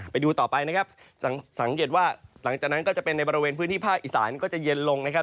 ไปดูต่อไปนะครับสังเกตว่าหลังจากนั้นก็จะเป็นในบริเวณพื้นที่ภาคอีสานก็จะเย็นลงนะครับ